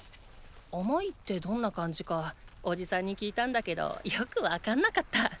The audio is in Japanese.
甘いってどんな感じかおじさんに聞いたんだけどよく分かんなかった。